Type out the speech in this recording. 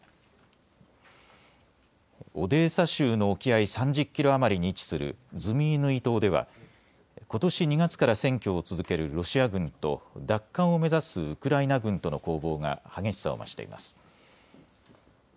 オデーサ州の沖合３０キロ余りに位置するズミイヌイ島ではことし２月から占拠を続けるロシア軍と奪還を目指すウクライナ軍との攻防が激しさを増しています。